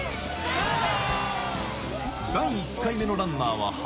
頑張れ！